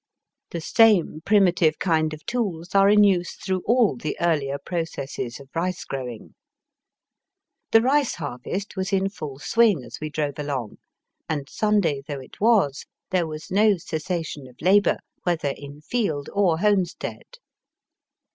The same primitive kind of tools are in use through all the earlier processes of rice growing. The rice harvest was in full swing as we drove along, and Sunday though it was, there was no cessation of labom , whether in field or homestead.